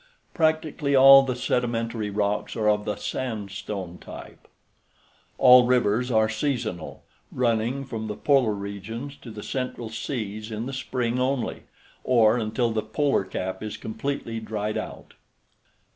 Practically all the sedimentary rocks are of the sandstone type. All rivers are seasonal, running from the polar regions to the central seas in the spring only, or until the polar cap is completely dried out.